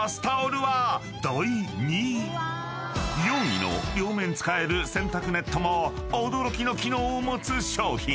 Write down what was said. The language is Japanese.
［４位の両面使える洗濯ネットも驚きの機能を持つ商品］